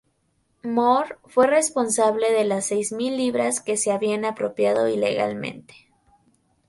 Moore fue responsable de las seis mil libras que se habían apropiado ilegalmente.